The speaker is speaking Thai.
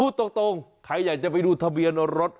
ตรงใครอยากจะไปดูทะเบียนรถ